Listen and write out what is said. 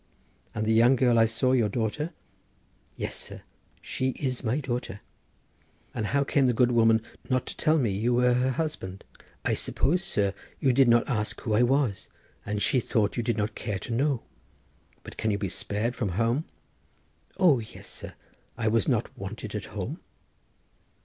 "And the young girl I saw your daughter?" "Yes, sir, she is my daughter." "And how came the good woman not to tell me you were her husband?" "I suppose, sir, you did not ask who I was, and she thought you did not care to know." "But can you be spared from home?" "O yes, sir, I was not wanted at home."